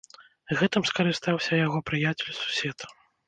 Гэтым скарыстаўся яго прыяцель-сусед.